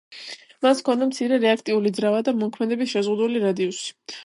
მას ჰქონდა მცირე რეაქტიული ძრავა და მოქმედების შეზღუდული რადიუსი.